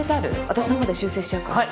私のほうで修正しちゃうから。